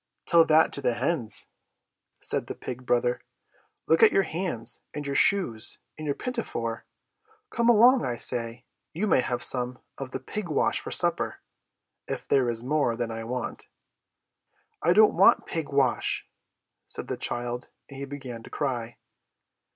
"Tell that to the hens!" said the pig brother. "Look at your hands, and your shoes, and your pinafore! Come along, I say! You may have some of the pig wash for supper, if there is more than I want." "I don't want pig wash!" said the child; and he began to cry.